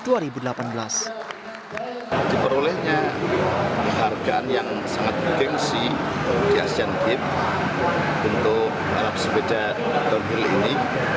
diperolehnya hargaan yang sangat gengsi di asian games untuk alat sepeda downhill ini